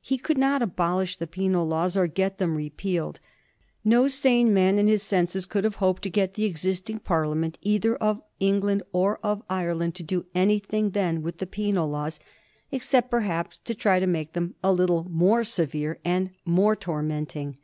He could not abolish the Penal Laws or get them re pealed. No man in his senses could have hoped to get the existing Parliament either of England or of Ireland to do anything then with the Penal Laws, except perhaps to try to make them a little more severe and more tor menting.